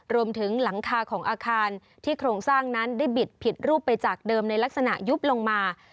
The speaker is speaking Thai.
รวมถึงหลังคาของอาคารที่โครงสร้างนั้นได้บิดผิดรูปไปจากเดิมในลักษณะยุบลงมา